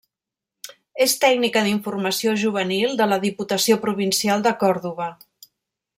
És tècnica d'informació juvenil de la Diputació Provincial de Còrdova.